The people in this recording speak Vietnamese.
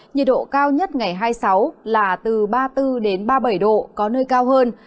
nhiệt độ cao nhất ngày hai mươi sáu là từ ba mươi bốn ba mươi bảy độ có nơi cao hơn